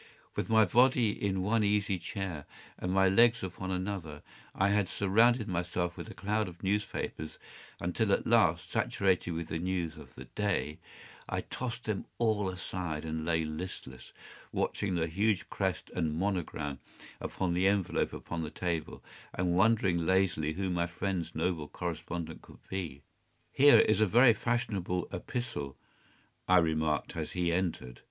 With my body in one easy chair and my legs upon another, I had surrounded myself with a cloud of newspapers, until at last, saturated with the news of the day, I tossed them all aside and lay listless, watching the huge crest and monogram upon the envelope upon the table, and wondering lazily who my friend’s noble correspondent could be. “Here is a very fashionable epistle,” I remarked, as he entered.